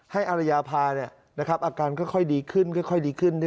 ให้อรยาพาอาการค่อยดีขึ้น